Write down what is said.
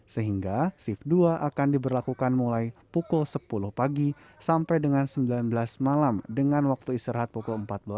sehingga shift dua akan diberlakukan mulai pukul sepuluh pagi sampai dengan sembilan belas malam dengan waktu istirahat pukul empat belas